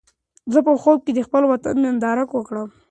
زه به په خوب کې د خپل وطن ننداره وکړم.